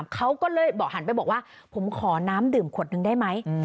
เขาก็เลยบอกหันไปบอกว่าผมขอน้ำดื่มขวดนึงได้ไหม